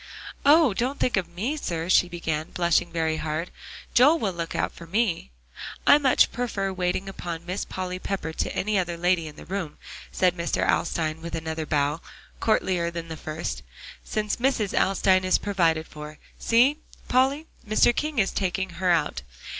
"Oh! don't think of me, sir," she began, blushing very hard. "Joel will look out for me." "I much prefer waiting upon Miss Polly Pepper to any other lady in the room," said Mr. Alstyne, with another bow, courtlier than the first, "since Mrs. Alstyne is provided for. See, Polly, Mr. King is taking her out.